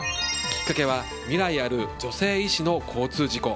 きっかけは未来ある女性医師の交通事故。